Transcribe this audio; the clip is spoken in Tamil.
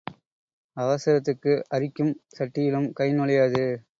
அவசரத்துக்கு அரிக்கும் சட்டியிலும் கை நுழையாது.